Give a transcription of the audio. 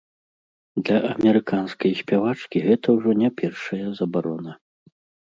Для амерыканскай спявачкі гэта ўжо не першая забарона.